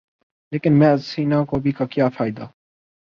لیکن محض سینہ کوبی کا کیا فائدہ؟